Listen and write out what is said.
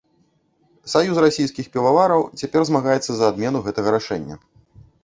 Саюз расійскіх півавараў цяпер змагаецца за адмену гэтага рашэння.